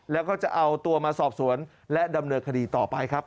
แล้วก็จะเอาตัวมาสอบสวนและดำเนินคดีต่อไปครับ